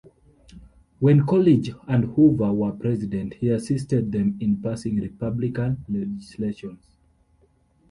When Coolidge and Hoover were president, he assisted them in passing Republican legislation.